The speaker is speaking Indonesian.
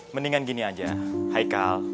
mendingan gini aja heikal